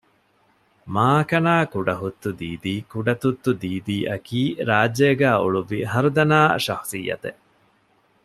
މާކަނާ ކުޑަހުއްތު ދީދީ ކުޑަތުއްތު ދީދީ އަކީ ރާއްޖޭގައި އުޅުއްވި ހަރުދަނާ ޝަޚުޞިއްޔަތެއް